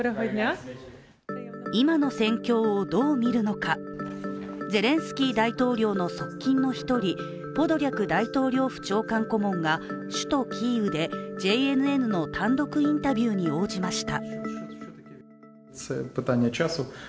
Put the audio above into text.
今の戦況をどう見るのか、ゼレンスキー大統領の側近の１人、ポドリャク大統領府長官顧問が首都キーウでＪＮＮの単独インタビューに応じました。